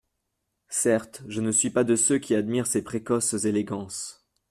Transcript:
Certes, je ne suis pas de ceux qui admirent ces précoces élégances.